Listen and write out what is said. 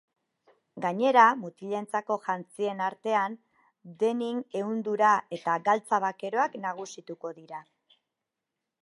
Gainera, mutilentzako jantzien artean denim ehundura eta galtza bakeroak nagusituko dira.